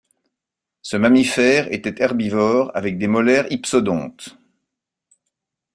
Ce mammifère était herbivore avec des molaires hypsodontes.